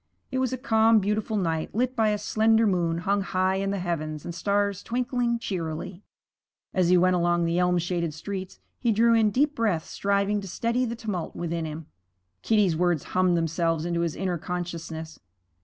It was a calm, beautiful night, lit by a slender moon hung high in the heavens and stars twinkling cheerily. As he went along the elm shaded streets, he drew in deep breaths, striving to steady the tumult within him. Kitty's words hummed themselves into his inner consciousness.